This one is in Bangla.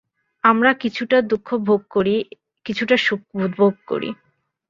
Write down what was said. আমরা কিছুটা দুঃখ ভোগ করি, কিছুটা সুখ ভোগ করি।